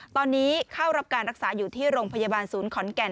ตอนนี้เข้ารับการรักษาอยู่ที่โรงพยาบาลศูนย์ขอนแก่น